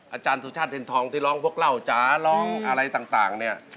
อาจารย์สุชาติเทนทองที่ร้องพวกเหล้าจ๋าร้องอะไรต่างเนี่ย